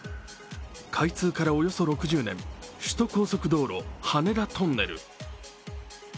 開通からおよそ６０年、首都高速道路・羽田トンネル。